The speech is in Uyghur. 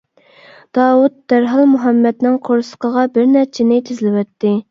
داۋۇت دەرھال مۇھەممەتنىڭ قورسىقىغا بىر نەچچىنى تىزلىۋەتتى.